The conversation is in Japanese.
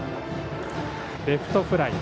レフトフライ。